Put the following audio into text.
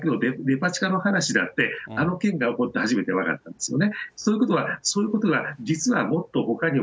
なぜならば、さっきのデパ地下の話だって、あの件で起こって初めて分かったんですよね。